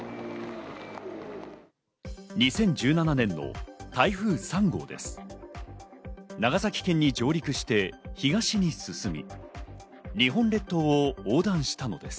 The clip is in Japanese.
２０１７年の台風３号です。